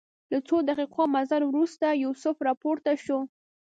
له څو دقیقو مزل وروسته یوسف راپورته شو.